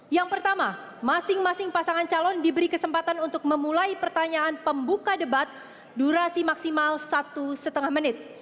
yang pertama masing masing pasangan calon diberi kesempatan untuk memulai pertanyaan pembuka debat durasi maksimal satu lima menit